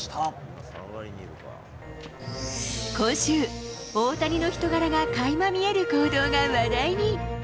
今週、大谷の人柄がかいま見える行動が話題に。